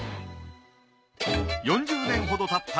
４０年ほどたった